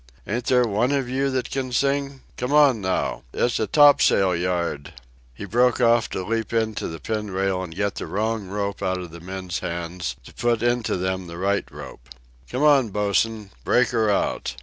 Ain't there one of you that can sing? Come on, now! It's a topsail yard—" He broke off to leap in to the pin rail and get the wrong ropes out of the men's hands to put into them the right rope. "Come on, bosun! Break her out!"